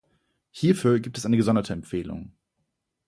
Hierfür gibt es eine gesonderte Empfehlung.